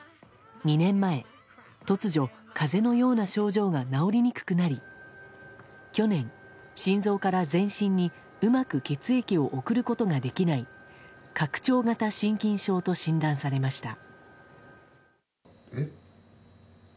２年前、突如、風邪のような症状が治りにくくなり去年、心臓から全身にうまく血液を送ることができない拡張型心筋症と診断されました。